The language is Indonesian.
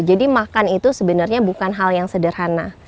jadi makan itu sebenarnya bukan hal yang sederhana